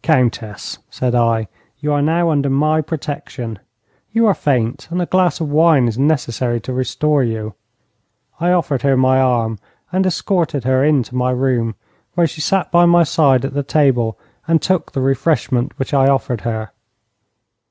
'Countess,' said I, 'you are now under my protection. You are faint, and a glass of wine is necessary to restore you.' I offered her my arm and escorted her into my room, where she sat by my side at the table and took the refreshment which I offered her.